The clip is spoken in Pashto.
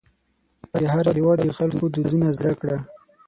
د هر هېواد د خلکو دودونه زده کړه.